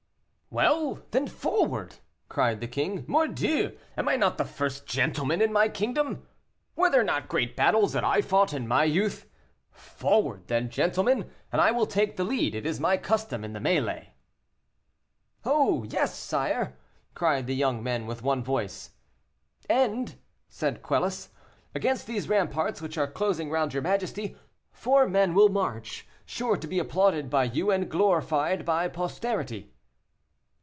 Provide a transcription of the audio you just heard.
"Well, then forward!" cried the king, "mordieu! am I not the first gentleman in my kingdom? Were they not great battles that I fought in my youth? Forward, then, gentlemen, and I will take the lead; it is my custom in the mêlée." "Oh! yes, sire," cried the young men, with one voice. "And," said Quelus, "against these ramparts which are closing round your majesty, four men will march, sure to be applauded by you, and glorified by posterity."